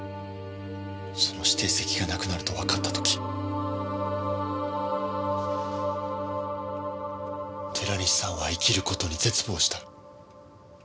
その指定席がなくなるとわかった時寺西さんは生きる事に絶望した。